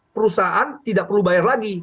perusahaan tidak perlu bayar lagi